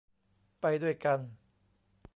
ไปด้วยกัน